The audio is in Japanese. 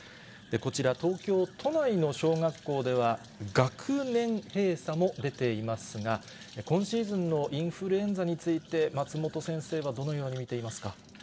こちら東京都内の小学校では、学年閉鎖も出ていますが、今シーズンのインフルエンザについて、松本先生はどのように見ていますか。